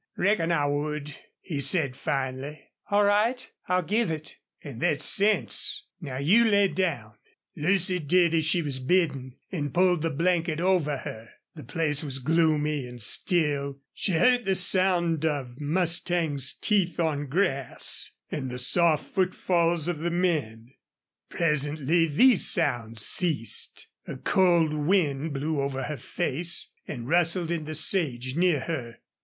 "Reckon I would," he said, finally. "All right, I'll give it." "An' thet's sense. Now you lay down." Lucy did as she was bidden and pulled the blanket over her. The place was gloomy and still. She heard the sound of mustangs' teeth on grass, and the soft footfalls of the men. Presently these sounds ceased. A cold wind blew over her face and rustled in the sage near her.